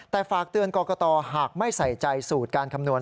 แต่ฝากเตือนกรกตหากไม่ใส่ใจสูตรการคำนวณ